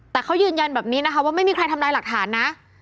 แต่เขายืนยันแบบนี้นะคะว่าไม่มีใครทำลายหลักฐานนะ